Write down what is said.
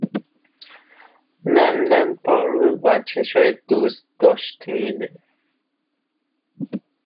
نم نم بارون و چشای دوست داشتنیت